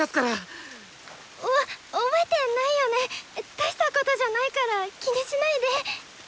大したことじゃないから気にしないで！